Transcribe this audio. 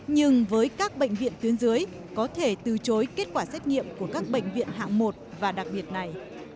nhưng với các bệnh viện tuyến dưới có thể từ chối kết quả xét nghiệm của các bệnh viện hạng một và đặc biệt này